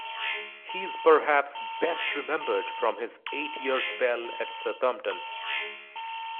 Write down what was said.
He is perhaps best remembered from his eight-year spell at Southampton.